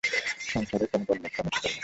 সংসারে কোন বড়লোকটা নেশা করে না শুনি?